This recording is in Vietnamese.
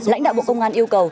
lãnh đạo bộ công an yêu cầu